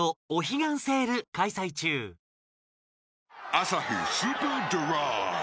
「アサヒスーパードライ」